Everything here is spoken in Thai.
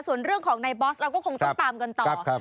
ส่วนเรื่องของในบอสเราก็คงต้องตามกันต่อ